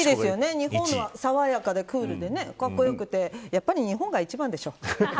爽やかでクールでかっこよくてやっぱり日本が一番でしょう。